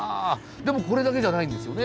でもこれだけじゃないんですよね？